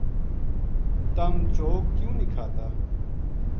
تم چوگ کیوں نیہہ کھاتا